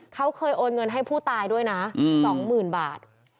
เขาเคยโอนเงินให้ผู้ตายด้วยนะ๒๐๐๐บาท